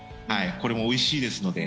これもおいしいですので。